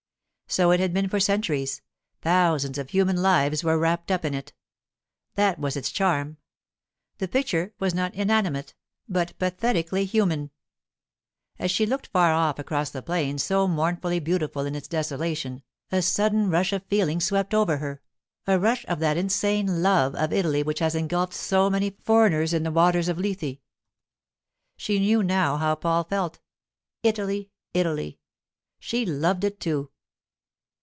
So it had been for centuries; thousands of human lives were wrapped up in it. That was its charm. The picture was not inanimate, but pathetically human. As she looked far off across the plain so mournfully beautiful in its desolation, a sudden rush of feeling swept over her, a rush of that insane love of Italy which has engulfed so many foreigners in the waters of Lethe. She knew now how Paul felt. Italy! Italy! She loved it too.